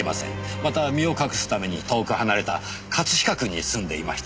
また身を隠すために遠く離れた葛飾区に住んでいました。